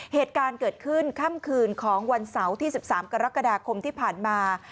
เหตุการณ์เกิดขึ้นค่ำคืนของวันเสาร์ที่๑๓กรกฎาคมที่ผ่านมา